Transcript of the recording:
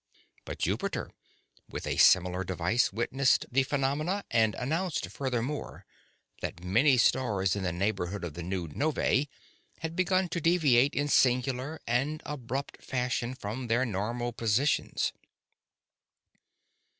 But Jupiter, with a similar device, witnessed the phenomena and announced furthermore that many stars in the neighborhood of the novæ had begun to deviate in singular and abrupt fashion from their normal positions.